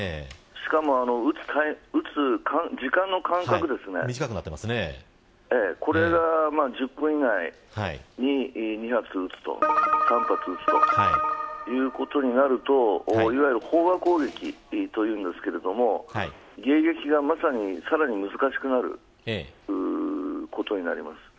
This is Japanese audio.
しかも、撃つ時間の間隔が１０分以内に２発３発撃つということになるといわゆる飽和攻撃というのですが迎撃がさらに難しくなることになります。